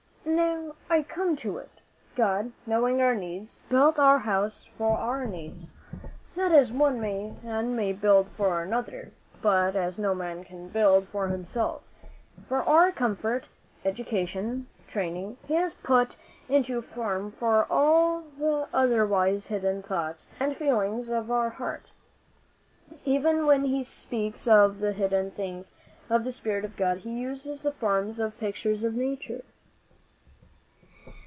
"Now I come to it. God, knowing our needs, built our house for our needs not as one man may build for another, but as no man can build for himself. For our comfort, education, training, he has put into form for us all the otherwise hidden thoughts and feelings of our heart. Even when he speaks of the hidden things of the Spirit of God, he uses the forms or pictures of Nature.